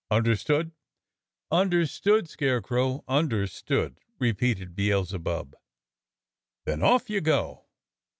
Under stood.?" "Understood, Scarecrow, understood," repeated Beel zebub. "Then off you go!"